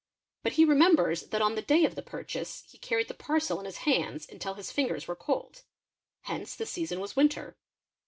But he re # members that on the day of the purchase he carried the parcel in his . hands until his fingers were cold: hence the season was winter.